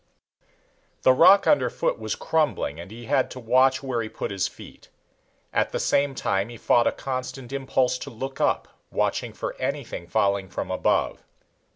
The rock underfoot was crumbling and he had to watch where he put his feet. At the same time he fought a constant impulse to look up, watching for anything falling from above.